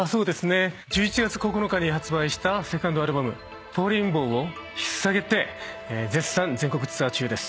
１１月９日に発売したセカンドアルバム『Ｆａｌｌｉｎｂｏｗ』を引っ提げて絶賛全国ツアー中です。